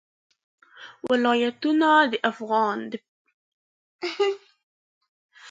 ولایتونه د افغانستان د پوهنې په نصاب کې دي.